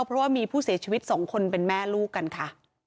เพราะว่ามีผู้เสียชีวิต๒คนเป็นแม่ลูกกันค่ะ